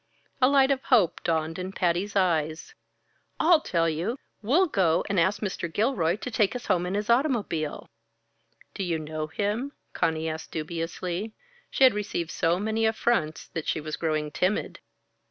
A light of hope dawned in Patty's eyes. "I'll tell you! We'll go and ask Mr. Gilroy to take us home in his automobile." "Do you know him?" Conny asked dubiously. She had received so many affronts that she was growing timid.